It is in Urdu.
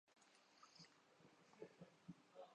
تاہم اداکار شاہد کپور کے